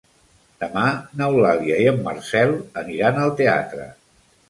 Demà n'Eulàlia i en Marcel aniran al teatre.